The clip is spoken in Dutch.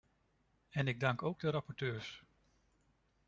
En ik dank ook de rapporteurs.